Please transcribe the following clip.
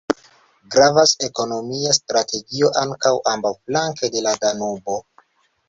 Gravas ekonomia strategio ankaŭ ambaŭflanke de la Danubo.